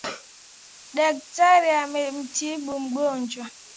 Daktari amemtibu mgonjwa.